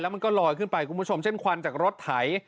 มันก็ลอยขึ้นไปคุณผู้ชมเช่นควันจากรถไถ